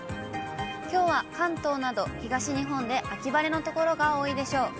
きょうは関東など、東日本で秋晴れの所が多いでしょう。